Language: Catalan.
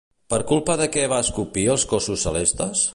Per culpa de què va escopir els cossos celestes?